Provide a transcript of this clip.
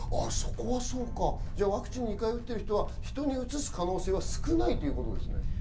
そこはそうか、ワクチン２回打ってる人は人にうつす可能性は少ないということですか？